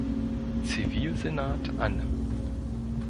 Zivilsenat an.